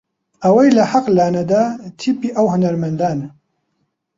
ئەوەی لە حەق لا نەدا تیپی ئەو هونەرمەندانە